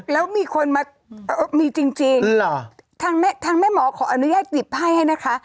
แล้วมีคนมามีจริงทางแม่หมอขออนุญาตหยิบให้ให้นะคะ